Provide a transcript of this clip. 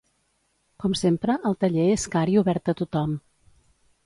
Com sempre el taller és car i obert a tothom.